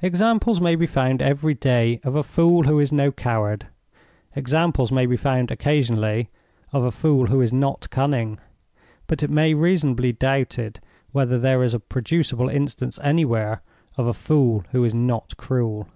Examples may be found every day of a fool who is no coward; examples may be found occasionally of a fool who is not cunning; but it may reasonably be doubted whether there is a producible instance anywhere of a fool who is not cruel.